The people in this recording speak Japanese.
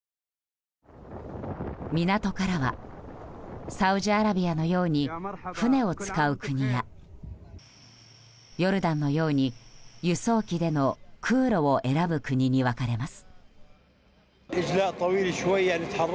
港からはサウジアラビアのように船を使う国やヨルダンのように輸送機での空路を選ぶ国に分かれます。